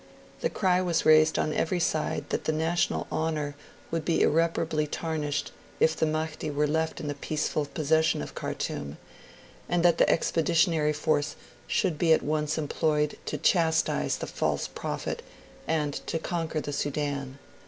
The cry was raised on every side that the national honour would be irreparably tarnished if the Mahdi were left in the peaceful possession of Khartoum, and that the Expeditionary Force should be at once employed to chastise the false prophet and to conquer the Sudan.